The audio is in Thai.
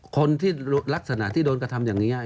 คนที่ลักษณะที่โดนกระทำอย่างนี้